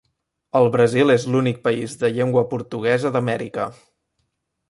El Brasil és l'únic país de llengua portuguesa d'Amèrica.